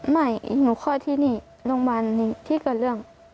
หนูคลอดที่นี่โรงพยาบาลที่เกิดเรื่อง